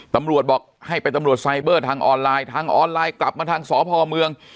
ตำรวจบอกให้ไปตำรวจไซเบอร์ทางออนไลน์ทางออนไลน์กลับมาทางสพเมือง